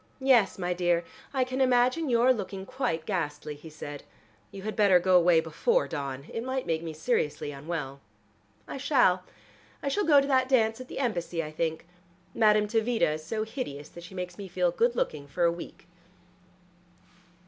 "Yes, my dear, I can imagine your looking quite ghastly," he said. "You had better go away before dawn. It might make me seriously unwell." "I shall. I shall go to the dance at the Embassy, I think. Madame Tavita is so hideous that she makes me feel good looking for a week."